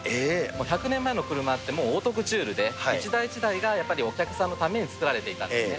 １００年前の車って、もうオートクチュールで、一台一台がやっぱりお客さんのために作られていたんですね。